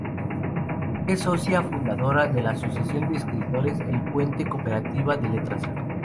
Es socia fundadora de la Asociación de escritores El Puente Cooperativa de Letras.